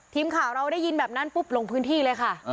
ทีมข่าวเราได้ยินแบบนั้นปุ๊บลงพื้นที่เลยค่ะ